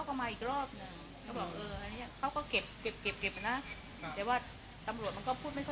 ตำรวจมาห้ามรอบแรกพี่นี่อยู่